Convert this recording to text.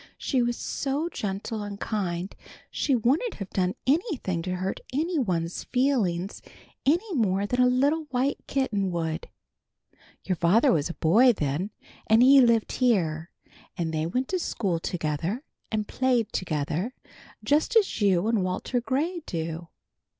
She was so gentle and kind she wouldn't have done anything to hurt any one's feelings any more than a little white kitten would. Your father was a boy then, and he lived here, and they went to school together and played together just as you and Walter Gray do.